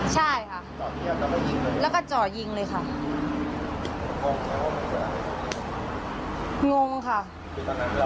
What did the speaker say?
ใช่ค่ะจอดเทียบแล้วก็ยิงเลยแล้วก็จ่อยิงเลยค่ะ